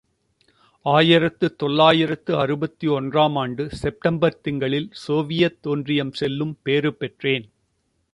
ஓர் ஆயிரத்து தொள்ளாயிரத்து அறுபத்தொன்று ஆம் ஆண்டு செப்டம்பர் திங்களில் சோவியத் ஒன்றியம் செல்லும் பேறு பெற்றேன்.